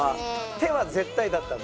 手は絶対だったんだ。